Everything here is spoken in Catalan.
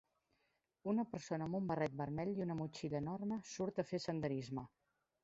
Una persona amb un barret vermell i una motxilla enorme surt a fer senderisme.